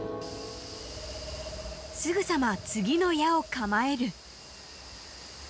［すぐさま次の矢を構える］